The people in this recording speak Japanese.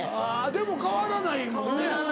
でも変わらないもんね